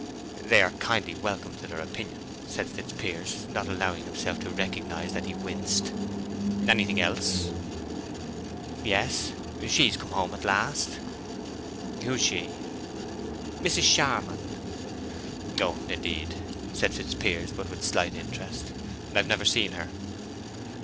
"They are kindly welcome to their opinion," said Fitzpiers, not allowing himself to recognize that he winced. "Anything else?" "Yes; she's come home at last." "Who's she?" "Mrs. Charmond." "Oh, indeed!" said Fitzpiers, with but slight interest. "I've never seen her."